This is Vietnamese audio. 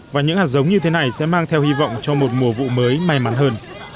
và những hạt giống như thế này sẽ mang theo hy vọng cho một mùa vụ mới may mắn hơn